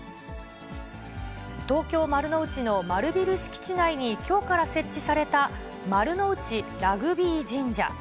東京・丸の内の丸ビル敷地内にきょうから設置された、丸の内ラグビー神社。